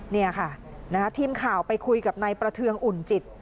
นี่ค่ะทีมข่าวไปคุยกับนายประเทืองอุ่นจิต